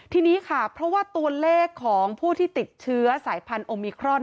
ทีนี้ค่ะเพราะว่าตัวเลขของผู้ที่ติดเชื้อสายพันธุมิครอน